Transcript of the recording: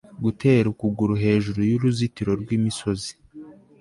Gutera ukuguru hejuru yuruzitiro rwimisozi